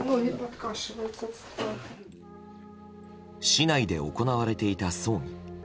市内で行われていた葬儀。